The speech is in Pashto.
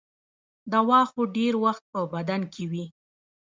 دوا خو ډېر وخت په بدن کې وي.